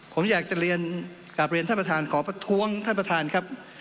ผมอยากจะเรียนกลับเรียนท่านประธานขอประท้วงท่านประธานครับ